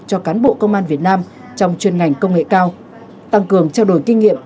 cho cán bộ công an việt nam trong chuyên ngành công nghệ cao tăng cường trao đổi kinh nghiệm